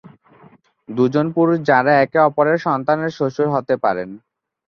দুজন পুরুষ যারা একে অপরের সন্তানের শ্বশুর হতে পারেন।